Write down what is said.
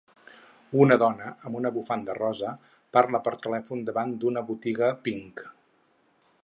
Una dona amb una bufanda rosa parla per telèfon davant d'una botiga Pink.